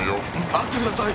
待ってください！